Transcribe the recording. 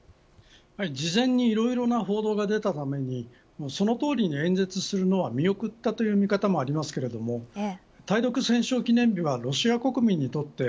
事前にいろいろな報道が出たためにそのとおりに演説するのは見送ったという見方もありますが対独戦勝記念日はロシア国民にとって